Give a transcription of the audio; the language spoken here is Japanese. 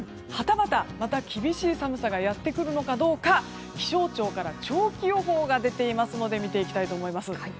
はたまた、また厳しい寒さがやってくるのかどうか気象庁から長期予報が出ていますので見ていこうと思います。